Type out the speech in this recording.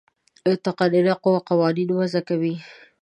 تقنینیه قوه قوانین وضع کوي.